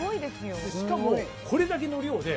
しかもこれだけの量で。